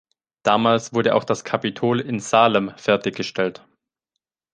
Damals wurde auch das Kapitol in Salem fertiggestellt.